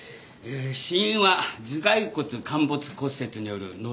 死因は頭蓋骨陥没骨折による脳挫傷。